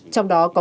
trong đó có nguồn